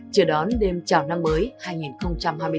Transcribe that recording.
chờ đón đêm chào năm mới hai nghìn hai mươi bốn